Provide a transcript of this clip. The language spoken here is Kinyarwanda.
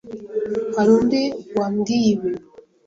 Hari undi wabwiye ibi?